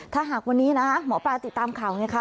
ถ้าหากวันนี้นะหมอปลาติดตามข่าวไงคะ